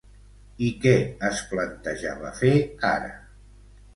I què es plantejava fer ara?